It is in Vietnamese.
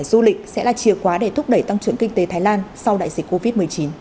du lịch sẽ là chìa khóa để thúc đẩy tăng trưởng kinh tế thái lan sau đại dịch covid một mươi chín